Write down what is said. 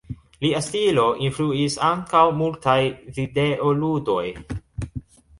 Lia stilo influis ankaŭ multaj videoludoj.